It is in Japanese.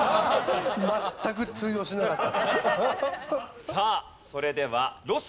全く通用しなかった。